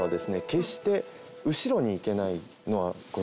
決して後ろに行けないのはご存じですか？